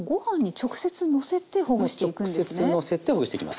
直接のせてほぐしていきます。